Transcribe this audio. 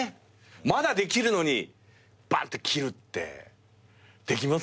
まだできるのにバッて切るってできます？